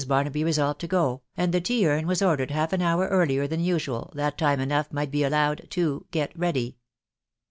Barnaby resolved to go, and the tem»uan wan ordered naff an hour earlier than u*uei£ the* time enengh might he allowed to H get ready."